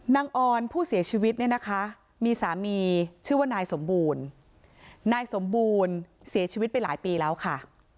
ออนผู้เสียชีวิตเนี่ยนะคะมีสามีชื่อว่านายสมบูรณ์นายสมบูรณ์เสียชีวิตไปหลายปีแล้วค่ะ